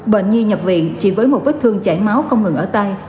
bệnh nhi nhập viện chỉ với một vết thương chảy máu không ngừng ở tay